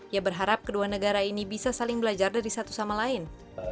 ia berharap kedua negara ini bisa saling belajar dari satu sama lain